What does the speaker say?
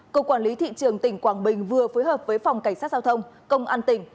cục quản lý thị trường tỉnh quảng bình vừa phối hợp với phòng cảnh sát giao thông công an tỉnh